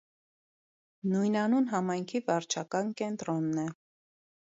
Նույնանուն համայնքի վարչական կենտրոնն է։